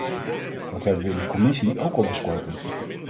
Dat hebben we in de commissie ook al besproken.